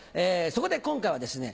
そこで今回はですね